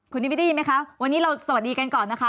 คุณนิมิตได้ยินไหมคะวันนี้เราสวัสดีกันก่อนนะคะ